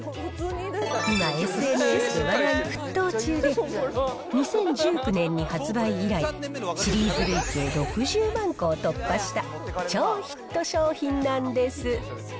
今、ＳＮＳで話題沸騰中で、２０１９年に発売以来、シリーズ累計６０万個を突破した超ヒット商品なんです。